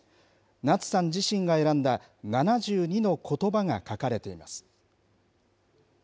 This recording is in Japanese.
夏さん自身が選んだ７２のことばが書かれています。